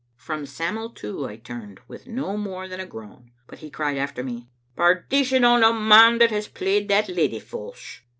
From Sam'l, too, I turned, with no more than a groan ; but he cried after me, " Perdition on the man that has played that leddy false."